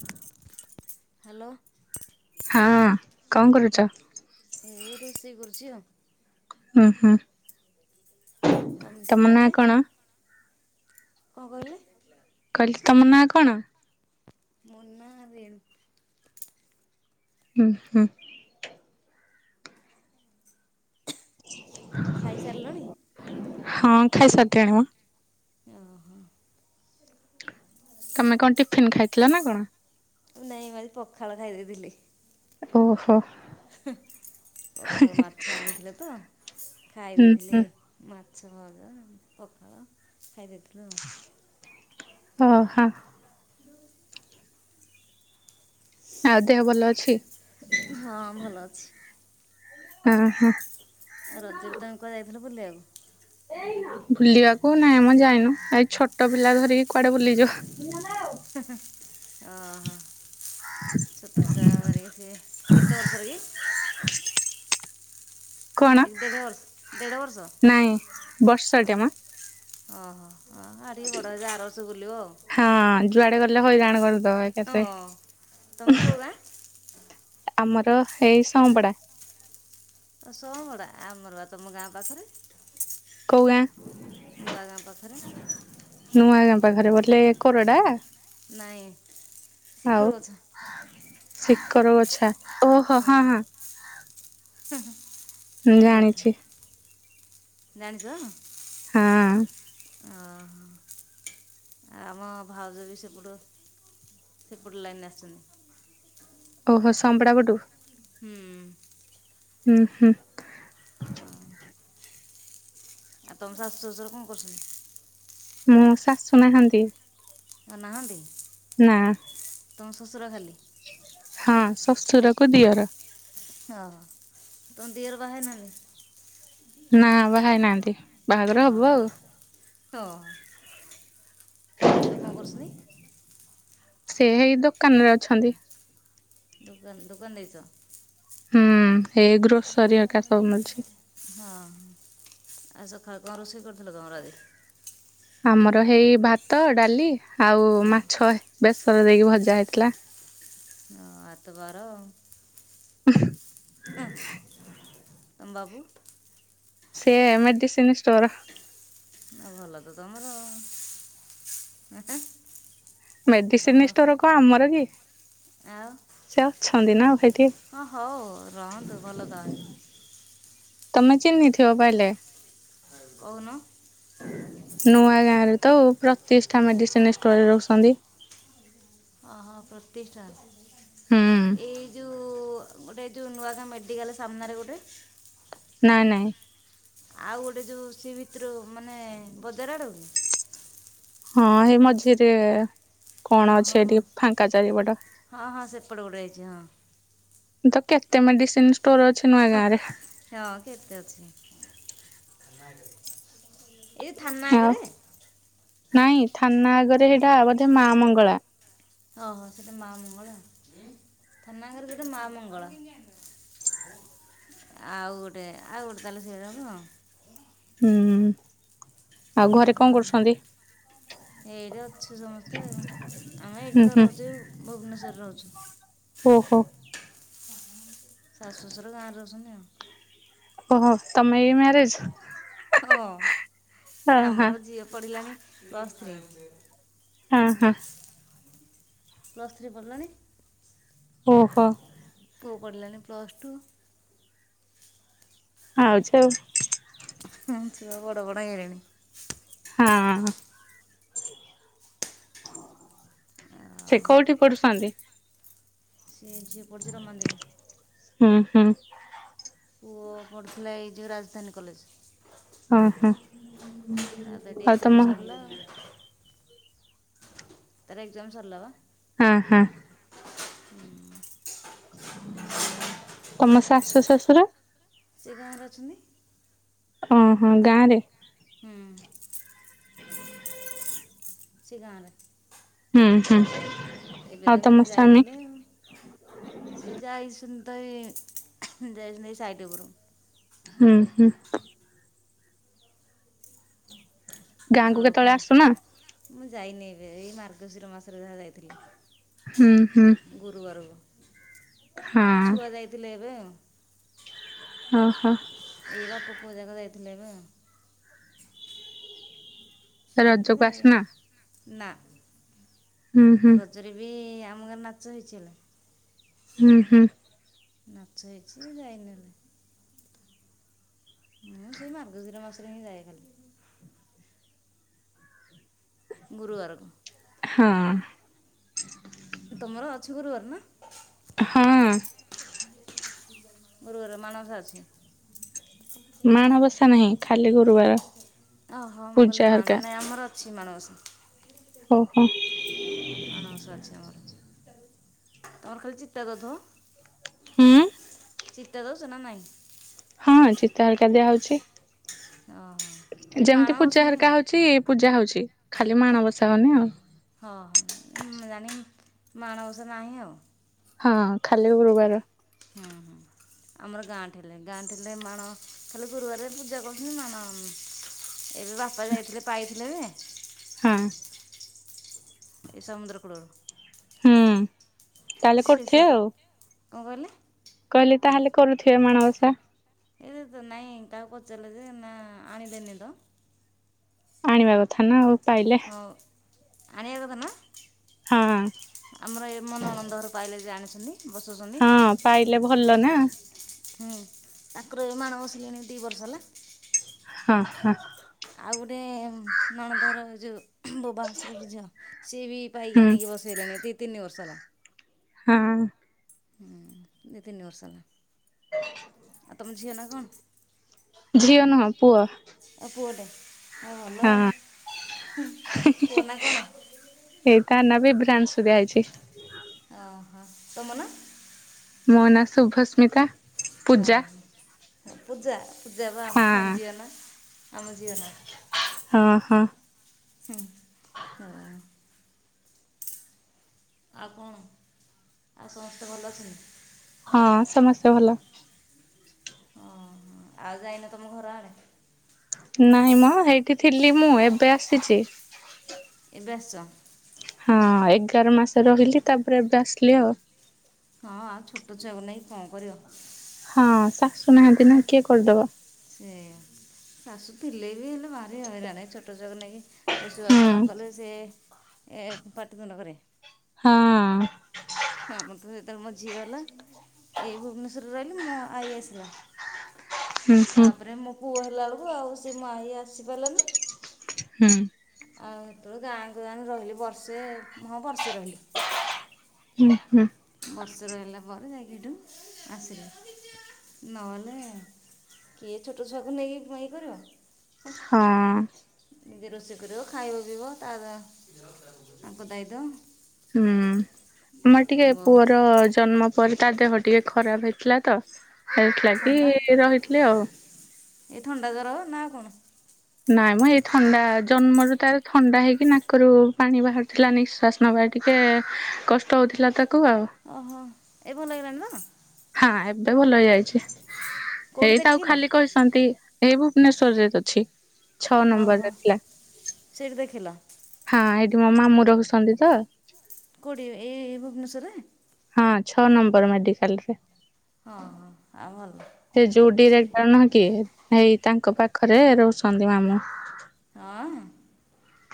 ହ। ହ୍ୟାଲୋ। ହଁ କଣ କରୁଚ? ଏ ରୋଷେଇ କରୁଚି ଆଉ। ଉଁ ହୁଁ। ତମ୍ ତମ ନାଁ ତମେ କଣ? କଣ କହିଲେ? କହିଲି ତମ ନାଁ କଣ? ମୋ ନାଁ ରେନ୍ ହୁଁ ହୁଁ। ଖାଇସାରିଲଣି? ହଁ ଖାଇସାରିଲିଣି ମ। ଅଁ ହଁ। ତମେ କଣ ଟିଫିନ ଖାଇଥିଲ ନା କଣ? ନାଇ ମୁଁ ଆଜି ପଖାଳ ଖାଇଦେଇଥିଲି। ଓହୋ। ପଖାଳ ମାଛ ଆଣିଥିଲେ ତ ଖାଇ ଦେଇଥିଲି ହୁଁ ମା ଛ ଭଜା ପଖାଳ ଖାଇଦେଇ [unintelligible] ଓଃ ହଁ। ଆଉ ଦେହ ଭଲ ଅଛି? ହଁ ଭଲ ଅଛି। ଆଁ ହାଁ। ଆଉ ରଜରେ ତମେ କୁଆଡେ ଯା ଇଥିଲ ବୁଲିଆକୁ? ବୁଲିବାକୁ ନାଇଁ ମ ଯାଇନୁ। ଏଇ ଛୋଟ ପିଲା ଧରିକି କୁଆଡ଼େ ବୁଲିଯିବୁ। ଓହୋ। ଛୋଟଛୁଆ [unintelligible] ସେ କେତେ ବର୍ଷର କି? କଣ ଏକ ଦେଢ଼ ବର୍ଷ ଦେଢ଼ ବର୍ଷ ନାଇଁ ବର୍ଷଟେ ମ। ଓହୋ। ହଁ ଆଉଟିକେ ବଡ଼ ହେଇଯା ଆରବର୍ଷକୁ ବୁଲିବ ଆଉ। ଲେ ହଇରାଣ ଏକାଥରେ। ହଁ ତମର କୋଉ ଗାଁ? ଆମର ଏଇ ସଁପଡ଼ା। ଓ ସଁପଡ଼ା ଆମର ବା ତମ ଗାଁ ପାଖରେ। କୋଉ ଗାଁ? ନୂଆଁ ଗାଁ ପାଖରେ। ନୂଆ ଗାଁ ପାଖରେ ବୋଲେ କୋରଡା? ନାଇଁ ଶିଖର ଗଛ। ସିକର ଗଛା। ଓହୋ ହଁ ହଁ। ହୁଁ ହୁଁ। ହୁଁ ଜାଣିଛି। ଜାଣିଚ? ହଁ। ଓ ଆଉ ଆମ ଭାଉଜ ବି ସେପଟ ସେପଟ ଲାଇନରୁ ଆସିଚନ୍ତି। ଓହୋ ସମପଡା ପଟୁ? ହୁଁ। ହୁଁ ହୁଁ। ହଁ। ଆଉ ତମ ଶାଶୁ ଶ୍ୱଶୁର କଣ କରୁଛନ୍ତି? ମୋ ଶାଶୁ ନାହାନ୍ତି। ଆଉ ନାହାନ୍ତି। ନାଁ। ତୁମ ଶଶୁର ଖାଲି? ହଁ ଶ୍ବଶୁର କୁ ଦିଅର। ହଁ ତମ ଦିଅର ବାହାହେଇ ନାହାନ୍ତି? ନା ବାହାହେଇ ନାହାନ୍ତି ବାହାଘର ହବ ଆଉ? ଅ ଦିଅର କଣ କରୁଛନ୍ତି? ସେ ହେଇ ଦୋକାନରେ ଅଛନ୍ତି? ଦୋକାନ ଦୋକାନ ଦେଇଚ? ହୁଁ। ଏଇ ଗ୍ରୋସରୀ ଏକା ସବୁ ମିଳୁଛି? ହଁ ଆଉ ସକାଳେ କଣ ରୋଷେଇ କରିଥିଲ ତମର ଆଜି? ଆମର ହେଇ ଭାତ ଡାଲି ଆଉ ହୁଁ ମାଛ ବେଶ ରେ ଦେଇକି ଭଜା ହେଇଥିଲା। ହ ଆଜି ତ ବାର? [unintelligible] [inaudible] ତମ ବାବୁ? ସେ ମେଡିସିନ ଷ୍ଟୋର? ଆ ଭଲ ତ ତମର? ତମର ମେଡିସିନ ଷ୍ଟୋର କଣ ଆମର କି? ଆଉ। ହଛନ୍ତି ନାେ ହଁ ହଉ ରହନ୍ତୁ ଭଲ ତ ତମେ ଚିହ୍ନିଥିବ ପହେଲେ। କହୁନ। ନୂଆ ଗାଁ ର। ତ ପ୍ରତିଷ୍ଠା ମେଡିସିନ ଷ୍ଟୋରରେ ରହୁସନ୍ତି। ଓହୋ ପ୍ରତିଷ୍ଠାନ ହୁଁ ଏଇ ଯେଉ ଗୋଟ ତି ଉଣ ବେଟିକଲ ସନାରେ ଗୋଟେ ନାଇଁ ନାଇଁ ଆଉ ଗୋଟେ ଯେଉଁ ସି ଭିତ୍ର ମାନେ ବଜାର ଆଡ଼କୁ କି? ହଁ ସେ ମଝିରେ କଣ ହଁ ଅଛି ହଁ ଏଠି ହଁ ଫାଙ୍କା ଚାରିପଟ ହଁ ହଁ ସେପ ଟୁ ଗୋଟେ ଯାଇଚି ହଁ। ତ କେତେ ମେଡିସିନ ଷ୍ଟୋର ଅଛି ନୂଆ ଗାଁରେ ହଁ କେତେ ଅଛି। [unintelligible] ଏଇ ଥାନା ଆଉ ଆଗରେ ନାଇଁ ଥାନା ଆଗରେ ସେଇଟା ବୋଧେ ମା ମଙ୍ଗଳା ହହୋ ସେଟା ମାଆ ମଙ୍ଗଳ ଥାନା ଘରେ ଗୋଟେ ମା ମଙ୍ଗଳ ଆଉ ଗୋଟେ ଆଉ ଗୋଟେ ତାହେଲେ ସେ ଜଣୁ ହୁଁ। ଆଉ ହ ଘରେ କଣ ଆଉ କରୁଛନ୍ତି? ଏଇଠି ଅଛୁ ସମସ୍ତେ ଆମେ ହୁଁ ଏଇଠି ତ ହୁଁ ରହୁଛେ ଭୁବନେଶ୍ୱରରେ ରହୁଛୁ। ଓହୋ। ଶାଶୁ ଶ୍ୱଶୁର ଗାଁରେ ରହୁଚନ୍ତି ଆଉ। ଓହୋ ତମେ ମ୍ୟାରେଜ ହଁ ହଁ ହଁ ଆମର ଝିଅ ପଢିଲାଣି ବସ୍ ଅହ। ପ୍ଲଥ୍ରି ପଢ଼ିଲଣି। ଓହୋ। ପୁ ପଡ଼ିଲାଣି ପ୍ଲସ୍ ଟୁ ଆଛା। ବଡ ବଣାଇଡଣି ଆଉ ହଁ ସେ କୋଉଠି ପଢୁଛନ୍ତି। ସେ ଝିଅ ପଡ଼ିୁଛି ରମା ଦେବି ହୁଁ ହୁଁ। ପୁଅ ପଢ଼ୁଥିଲା ଏଇ ଯେଉଁ ରାଜଧାନୀ କଲେଜ ହଁ ହଁ ତାର ତ ଏଠି ଆଉ ତମ ଏକ୍ଜାମ୍ ସରିଲା ଆଉ ତାର ଏକ୍ଜାାମ ସରିଲ ବା ହଁ ହଁ। [inaudible] ହୁଁ। ତମ ଶାଶୁ ଶଶୁର? ସେ ଗାଁରେ ଅଛନ୍ତି। ହଁ ହଁ ଗାଁରେ? ହୁଁ ସେ ଗାଁରେ। ହୁଁ ହୁଁ। ଏବେ ଆଉ ତ ତମ ଏମାନେ ସ୍ୱାମୀ ଯାଇଥିଲେ। ସେ ଯାଇଛ ତ ଏ [unintelligible] ଯାଇଛନ୍ତି ଏ ସାଇଟି ଉପରୁ। ହୁଁ ହୁଁ। ଗାଁକୁ ଆଉ କ'ଣ କେତେବେଳେ ଆସୁ ନ? ମୁଁ ଯାଇନି ଏବେ, ଏଇ ମାର୍ଗଶିର ମାସରେ ଯାହା ଯାଇଥିଲି। ହୁଁ ହୁଁ। ଏ ଛୁଆ ଯାଇଥିଲେ ଏବେ ଉ ହଁ ହଁ। ଏଇ ବାପ ପୁଅ ଯାକ ଯାଇଥିଲେ ଏବେ। ମୁଁ ରଜକୁ ଯାଏ ଆସୁନା? ନା। ହୁଁ ହୁଁ ରଜରେ ବି ଆ ମଗାଁ ନାଚ ହେଇଛିଲ ହୁଁ ହୁଁ। ନାଚ ହେଇଛି ଯାଇନେଲେ ମୁଁ ସେଇ ମାର୍ଗଶୀର ମାସରେ ହିଁ ଯାଏ ଖାଲି। ଗୁରୁବାରକୁ। ହଁ। ତମର ଅଛ ଗୁରୁବାର ନା? ହଁ। ଗୁରୁବରେ ମାଣବସା ଅଛି? ମାଣବସା ନାହିଁ ଖାଲି ଗୁରୁବାର ପୂଜା ହରକା। ଛି ମାଣଵସା ହୋ ହଁ। ମାନ‌ଓସା ଅଛି ଆମର, ତମର ଖାଲି ଚିତ୍ତା ଦଉ ଥଵ। ହୁଁ? ଚିତ୍ତା ଦଉଚ ନା ନାହିଁ? ହଁ ଚିତା ହଲକା ଦିଆହଉଛି। ଓହ। ଯେମିତି ପୂଜା ହେରକା ହଉଛି, ପୂଜା ହଉଛି। ଖାଲି ମାଣ ବସାଉନି ଆଉ। ହଁ ହଁଁ ଉମୁଁ ଜାଣି ମାଣବସା ନାହିଁ ଆଉ। ହଁ ଖାଲି ବୃବାର ଆମର ଗାଁ ଠିଲେ ଗାଁ ଠିଲେ ମାଣ, ଖାଲି ଗୁରୁବାରେ ପୂଜା କରୁଛନ୍ତି ମାଣ ଏବେ ବାପା ଯାଇଥିଲେ ପାଇଥିଲେ ବି ହୁଁ। ଏ ସମୁଦ୍ର କୁଳରୁ ହୁଁ। ତାହଲେ କଉଠି ଥିଏ ସା- ଆଉ। କଣ କହିଲେ? କହିଲେ ତାହେଲେ କରୁଥିବେ ମାଣବସା। ଏ ତ ନାଇଁ ତାକୁ ପଚାରିଲେ ଯେ ନା ଆଣିିଲେନି ତ। ଆଣିବା କଥା ନା ଆଉ। ପାଇଲେ ହଁ। ଆଣିଆ କଥା ନା। ହଁ ଆମର ଏ ମନଣନ୍ଦ ଘର ପାଇଲେ ଯେ ଜଣିଛନ୍ତି। ହଁ ବସୁଛନ୍ତି ପାଇଲେ ଭଲ ନା ହୁଁ ତାଙ୍କର ଏ ମାଣ ବସିଲେଣି ଦି ବର୍ଷ। ସରିଲା। ଆଂହ୍ନ। ଆଉ ଗୋଟେ ନଣନ୍ଦ ଘର ଯେଉଁ। ହସ୍ରରୁ ଝଅ ସିଏ ବି ପାଇକି ହୁଁ ଆଣିକି ବସେଇଲେଣି ଦୁଇ ତିନି ବର୍ଷ ହେଲା। ହଁ। ଦି ତିନି ବର୍ଷ ହେଲା। ଆଉ ତମ ଝିଅ ନାଁ। ହଁ। ଝିଅ ନୁହଁ ପୁଅ ପୁଅଟେ ଆଉ ଭଲ ହଁ ଆଉ ପୁଅ ନା କ'ଣ ଏଇତ ନ ବିଭ୍ରାଂଶୁ ଗାଇଛି। ଓ ହୋ ତମ ନାଁ। ମୋ ନାଁ ଶୁଭସ୍ମିତା। ହଁ ପୂଜା ହ ପୂଜା ପୂଜା ବା ଆମ ହଁ କଣ ଝିଆନ ଆମ ଝଅ ନା। ହଁ ହଁ ହୁଁ। ଆଉ କଣ ଆଉ ସମସ୍ତେ ଭଲ ଅଛନ୍ତି। ହଁ ସମସ୍ତେ ଭଲ। ହୁଁ ଆଉ ଯାଇନ ତମ ଘର ଆଡେ। ନାଇଁ ମା ହେଇଠି ଥିଲି ମୁଁ ଏବେ ଆସିଛି। ବେଶ। ହଁ ଏଗାର ମାସ ରହିଲି ତାପରେ ଏବେ ଆସିଲି ଆଉ। ହଁ ଆଉ ଛୋଟ ଛୁଆକୁ ନେଇାଇକ କଣ କରିବ। ହଁ। ନାହାନ୍ତି ନା କିଏ କରିଦବା। ସେଇଆ ଶାଶୁ ଥିଲେବି ଭାରି ହଇରାଣ ଏଇ ଛୋଟ ଛୁଆ କୁ ନେଇକି। ରୋଷେଇବାସ ହୁଁ ନକଲେ ସେ ଏ ପାଟି ତୁଣ୍ଡ କରିବେ। ହଁ। ଆମ ତ ଯେତେବେଳେ ମୋ ଝିଅ ହେଲା ଏଇ ଭୁବନେଶ୍ୱରରେ ରହିଲି ମୋ ଆଇ ଆସିଲା। ହୁଁ ହୁଁ ତାପରେ ମୁଁ। ପୁଅ ହେଲା ବେଳକୁ ଆଉ ସେ ମାଆ ହଇ ଆସିପାରିଲାନି। ହୁଁ। ଆଉ ସେତେବେଳେ ଗାଁ ଗ ଗାଁରେ ରହିଲି ବର୍ଷେ ହଁ ବର୍ଷେ ରହିଲି। ହୁଁ ହୁଁ। ବର୍ଷେ ରହିଲା ପରେ ଯାଇକି ଏଠୁ ଆସିଲେ ନହେଲେ କିଏ ଛୋଟ ଛୁଆକୁ ନେଇକି ଇଏ କରିବ। ହଁ। ନିଜେ ରୋଷେଇ କରିବ ଖାଇବ ପିଇବ ତା ତାଙ୍କ ଦାୟିତ୍ୱ। ହୁଁ ଆମର ଟିକେ ବହୁତ ପୁଅର ଜନ୍ମ ପରେ ତା ଦେହ ଟିକେ ଖରାପ ହେଇଥିଲା ତ। ହେଇଥିଲାଗି ରହିଥିଲି ଆଉ। ଏଇ ଥଣ୍ଡା ଜର ନା ଆଉ କଣ? ନାଇଁ ମ ଏଇ ଥଣ୍ଡା ଜନ୍ମରୁ ତାର ଥଣ୍ଡା ହେଇକି ନାକରୁ ପାଣି ବାହାରୁଥିଲା ନିଶ୍ୱାସ ନବା ଟିକେ କଷ୍ଟ ହଉଥିଲା ତା ଓହୋ ଏ ଭଲ ହେଇଗଲାଣିି ତ। ହଁ ଏବେ ଭଲ ହେଇଯାଇଚି। କେଉଁଠି ଏଇ ତ ଆଉ ଦେଖେଇଲ ଖାଲି କହିସନ୍ତି। ଏଇ ଭୁବନେଶ୍ୱରରେ ଅଛି। ଛଅ ଓହୋ ନମ୍ବରରେ ଥିଲା ସେଇଠି ଦେଖିଲ। ହ ଏଇଠି ମୋ ମାମୁଁ ରହୁଛନ୍ତି ତ। କୋଉଠି ଏଇ ଭୁବନେଶ୍ୱରରେ? ହଁ ଛଅ ନମ୍ବର ମେଡିକାଲରେ। ହଁ ହଁ ଆଉ ଭଲ ସେଇଠି ହେଇ ତାଙ୍କ ପାଖରେ ରହୁଛନ୍ତି ମାମୁଁ। ହଁ।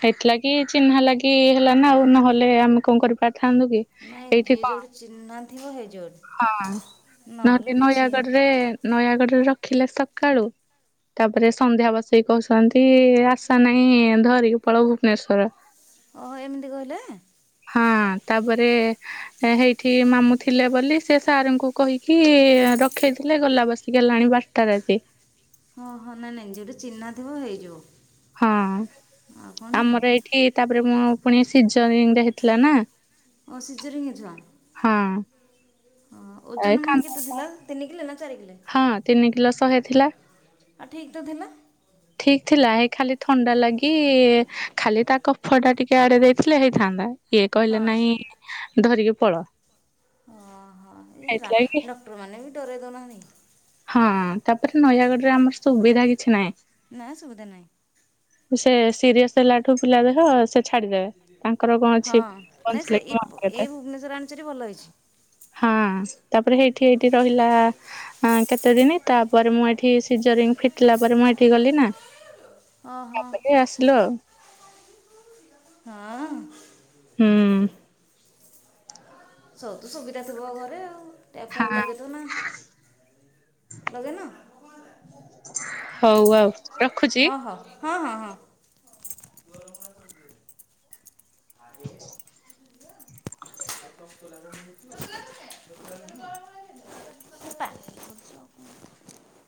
ହେଇଥିଲାଗି ଚିହ୍ନା ଲାଗି ହେଲା ନା ଆଉ ନହଲେ ଆମେ କଣ କରିପାର ଥାନ୍ତୁ କି ନାଇଁ ଏଇଠି ଯିଏ ପା ଯେଉଁଠି ଚିହ୍ନା ଥିବ ହେଇ ଯେଉଁଠି ହଁ ନହେଲେ ନୟାଗଡରେ ନୟାଗଡ ଯୋଉ ରଖିଲେ ସକାଳୁ ତାପରେ ସନ୍ଧ୍ୟା ବସେଇକି କହୁଛନ୍ତି ଆଶା ନାଇଁ ଧରିକି ପଳଉ ଭୁବନେଶ୍ଵର। ଓ ଏମିତି କହିଲେ। ହଁ ତାପରେ ହେଇଠି ମାମୁଁ ଥିଲେ ବୋଲି ସେ ସାର୍ ଙ୍କୁ କହିକି ରଖେଇଥିଲେ ଗଲା ବସି ଗଲାଣି ବାରଟା ରାତି। ଓହୋ ନାଇଁ ନାଇଁ ଯୋଉଠି ଚିହ୍ନା ଥିବ ହେଇଯିବ। ହଁ ଆଉ କ'ଣ କି ଆମର ଏଇଠି ତାପରେ ମୁଁ ପୁଣି ସିଜରିଙ୍ଗ ରେ ହେଇଥିଲା ନା। ଓ ସିଜରିଙ୍ଗ ଛୁଆ? ହଁ। ହଁ ଏ ଓଜନ ମାନେ କାନ୍ଦ କେତେ ଥିଲା? ତିନ କିଲେ ନା ଚାରି କିଲୋ ହଁ ତିନି କିଲ ଶହେ ଥିଲା। ଆଉ ଠିକ୍ ତ ଥିଲା ଠିକ ଥିଲା ହେଇ ଖାଲି ଥଣ୍ଡା ଲାଗି ଖାଲି ତା କଫ ଟା ଟିକେ ଆଡେଇ ଦେଇଥିଲେ ହେଇଥାନ୍ତା। ଇଏ କହିଲେ ହଁ ନାଇଁ ଧରିକି ପଳ। ଓହୋ ଏଇ ଡ୍ରା ହେଇଥିଲାଗି ଡକ୍ଟରମାନେ ବି ଡରେଇ ଦଉନାହାନ୍ତି? ହଁ ତାପରେ ନୟାଗଡ଼ରେ ଆମର ସୁବିଧା କିଛି ନାହିଁ। ନା ସୁବିଧା ନାହିଁ। ସେ ସିରିଅସ ହେଲା ଠୁ। ପିଲା ଦେହ ସେ ଛାଡିଦେବେ। ତାଙ୍କର କଣ ଅଛି ହଁ ନାଇଁ ସେ ବଞ୍ଚିଲେ କି ଏଇ ମରିଗଲେ କେତେ ଏଇ ଭୁବନେଶ୍ୱର ଆଣିଚେରି ଭଲ ହେଇଛି। ହଁ। ତାପରେ ସେଇଠି ଏଇଠି ରହିଲା ଆଁ କେତେ ଦିନି ତାପରେ ମୁଁ ଏଠି ସିଜରିଙ୍ଗ ଫିଟିଲା ପରେ ମୁଁ ସେଠି ଗଲି ନା। ଓହୋ ତାପରେ ଆସିଲୁ ଆଉ। ହଁ। ହୁଁ। ସବୁ ତ ସୁବିଧା ଥିବ ଘରେ ଆଉ। ଟ୍ୟାପ ଫ୍ୟାପ ହଁ ଲଗେଇ ଦଉନ। ଲଗେଇନ? ହଉ ଆଉ। ରଖୁଛି। ହଁ ହଁ ହଁ ହଁ ହଁ। ହଁ। ଆହେ। [unintelligible]